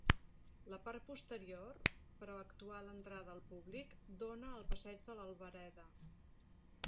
La part posterior, però actual entrada al públic, dóna al passeig de l'Albereda.